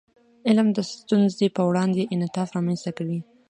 علم د ستونزو په وړاندې انعطاف رامنځته کوي.